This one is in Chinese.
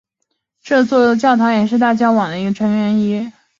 这座教堂也是大教堂网的成员之一。